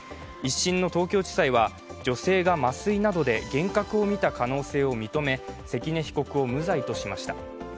１審の東京地裁は女性が麻酔などで幻覚を見た可能性を認め関根被告を無罪としました。